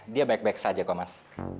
dia baik baik saja kok mas